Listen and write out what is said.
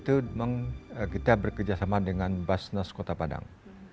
untuk bedah rumah kita bekerjasama dengan basnas kota padang